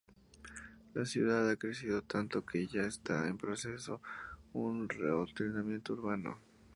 La ciudad ha crecido tanto, que ya está en proceso un reordenamiento urbano.